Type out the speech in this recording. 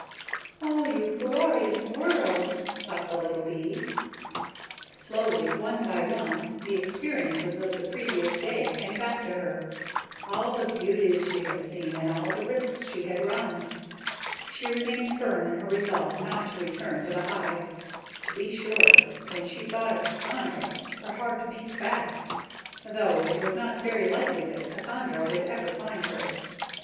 "Oh, you glorious world," thought the little bee. Slowly, one by one, the experiences of the previous day came back to her all the beauties she had seen and all the risks she had run. She remained firm in her resolve not to return to the hive. To be sure, when she thought of Cassandra, her heart beat fast, though it was not very likely that Cassandra would ever find her.